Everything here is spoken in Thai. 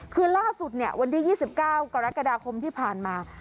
คือล่าสุดเนี่ยวันที่๒๙กรกฎาคมที่ผ่านมา